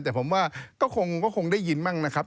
แต่ผมว่าก็คงได้ยินมั่งนะครับ